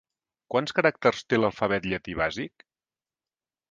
Quants caràcters té l'alfabet llatí bàsic?